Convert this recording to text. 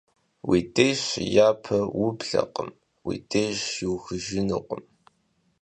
Уи деж щыяпэ ублэкъым, уи деж щиухыжынукъым.